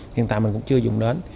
hiện tại mình cũng chưa dùng đến